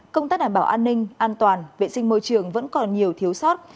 công tác đảm bảo an ninh an toàn vệ sinh môi trường vẫn còn nhiều thiếu sót